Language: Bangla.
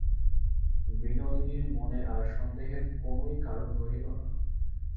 বিনোদিনীর মনে আর সন্দেহের কোনোই কারণ রহিল না।